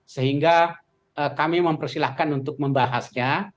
sehingga kami mempersilahkan untuk membahasnya